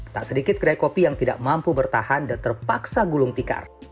tak sedikit kedai kopi yang tidak mampu bertahan dan terpaksa gulung tikar